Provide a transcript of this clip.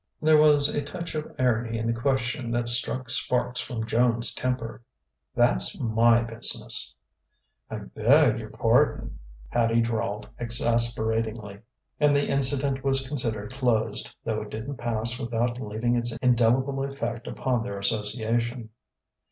There was a touch of irony in the question that struck sparks from Joan's temper. "That's my business!" "I'm sure I beg your pardon," Hattie drawled exasperatingly. And the incident was considered closed, though it didn't pass without leaving its indelible effect upon their association.